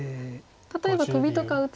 例えばトビとか打つと。